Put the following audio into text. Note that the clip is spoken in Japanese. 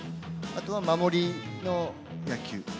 あとは守りの野球。